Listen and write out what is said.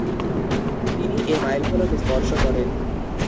তিনি এ মাইলফলক স্পর্শ করেন।